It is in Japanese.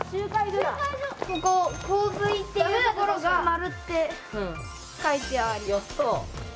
ここ「洪水」っていうところが「○」って書いてある。